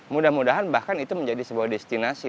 mudah mudahan bahkan itu menjadi sebuah destinasi nanti untuk itu